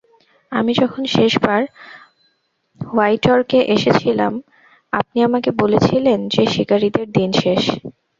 আমি যখন শেষবার হোয়াইটরকে এসেছিলাম, আপনি আমাকে বলেছিলেন যে শিকারীদের দিন শেষ।